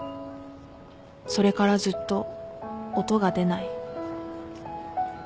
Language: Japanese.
それからずっと音が出ない